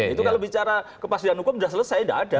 itu kalau bicara kepastian hukum sudah selesai tidak ada